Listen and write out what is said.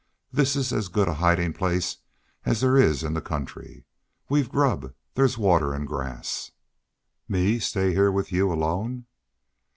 This is as good a hidin' place as there is in the country. We've grub. There's water an' grass." "Me stay heah with y'u alone!"